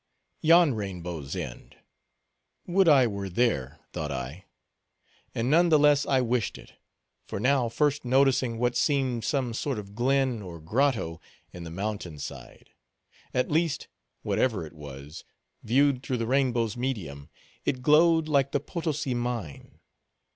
Yon rainbow's end, would I were there, thought I. And none the less I wished it, for now first noticing what seemed some sort of glen, or grotto, in the mountain side; at least, whatever it was, viewed through the rainbow's medium, it glowed like the Potosi mine.